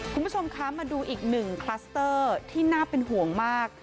คุณผู้ชมคะมาดูอีกหนึ่งคลัสเตอร์ที่น่าเป็นห่วงมาก